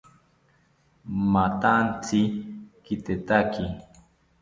Mathantzi kitetaki